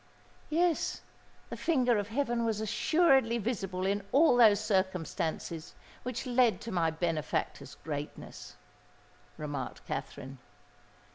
"Yes—the finger of heaven was assuredly visible in all those circumstances which led to my benefactor's greatness," remarked Katherine.